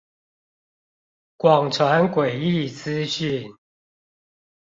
廣傳詭異資訊